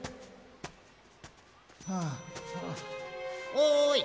おい！